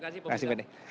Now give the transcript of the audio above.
terima kasih pak bidik